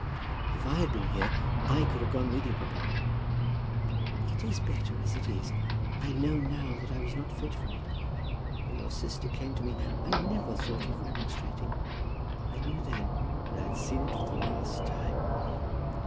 "If I had been here, I could have gone with you, papa." "It is better as it is. I know now that I was not fit for it. When your sister came to me, I never thought of remonstrating. I knew then that I had seen it for the last time."